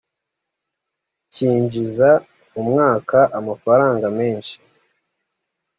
cyinjiza mu mwaka amafaranga menshi.